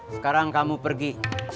sekarang kamu pergi